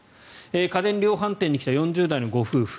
家電量販店に来た４０代のご夫婦。